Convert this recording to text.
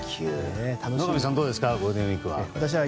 野上さん、どうですかゴールデンウィークは。